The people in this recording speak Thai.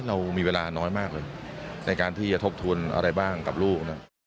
เรามีเวลาน้อยมากเลยในการที่จะทบทวนอะไรบ้างกับลูก